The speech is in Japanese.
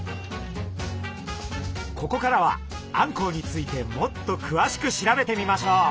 ここからはあんこうについてもっとくわしく調べてみましょう！